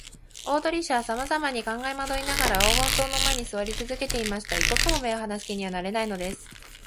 大鳥氏はさまざまに考えまどいながら、黄金塔の前にすわりつづけていました。一刻も目をはなす気になれないのです。